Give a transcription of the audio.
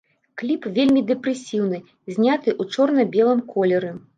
Кліп вельмі дэпрэсіўны, зняты ў чорна-белым колеры.